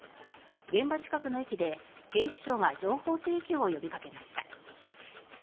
現場近くの駅で警視庁が情報提供を呼びかけました。